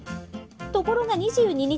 ところが２２日